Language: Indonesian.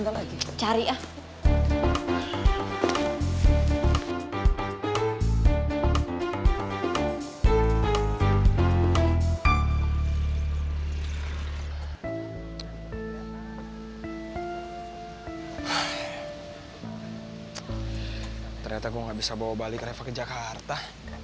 ternyata gue gak bisa bawa balik reva ke jakarta